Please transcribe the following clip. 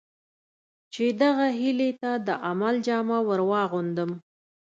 چې دغه هیلې ته د عمل جامه ور واغوندم.